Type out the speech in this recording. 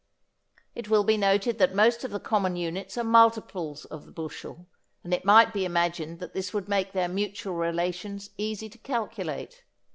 It will be noted that most of the common units are multiples of the bushel, and it might be imagined that this would make their mutual relations easy to calculate.